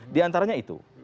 di antaranya itu